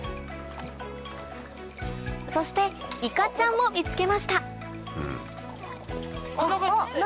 そしていかちゃんも見つけましたあっ！